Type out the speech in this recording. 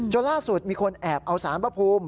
ล่าสุดมีคนแอบเอาสารพระภูมิ